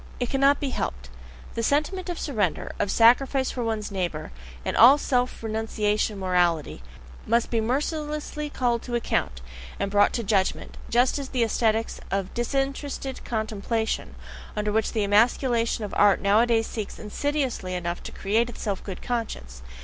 It cannot be helped: the sentiment of surrender, of sacrifice for one's neighbour, and all self renunciation morality, must be mercilessly called to account, and brought to judgment; just as the aesthetics of "disinterested contemplation," under which the emasculation of art nowadays seeks insidiously enough to create itself a good conscience.